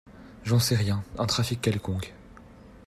J’en sais rien ! Un trafic quelconque.